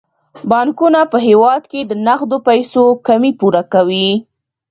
بانکونه په هیواد کې د نغدو پيسو کمی پوره کوي.